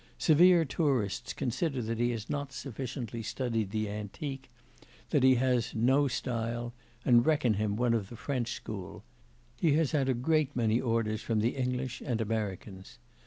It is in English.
Severe tourists consider that he has not sufficiently studied the antique, that he has 'no style,' and reckon him one of the French school; he has had a great many orders from the English and Americans.